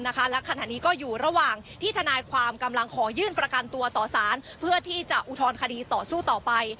และขณะนี้ก็อยู่ระหว่างที่ทนายความกำลังขอยื่นประกันตัวต่อสารเพื่อที่จะอุทธรณคดีต่อสู้ต่อไป